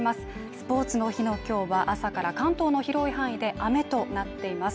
スポーツの日の今日は朝から関東の広い範囲で雨となっています